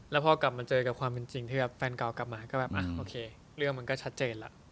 แล้วพอกลับมาเจอกับความเป็นจริงที่แบบแฟนเก่ากลับมาก็แบบโอเคเรื่องมันก็ชัดเจนแล้ว